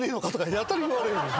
やたら言われる。